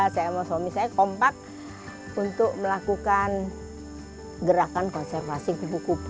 saya sama suami saya kompak untuk melakukan gerakan konservasi kupu kupu